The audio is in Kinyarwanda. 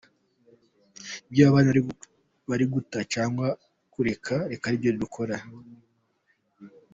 Ibyo abandi bari guta cyangwa kureka, reka twe abe ari byo dukora:.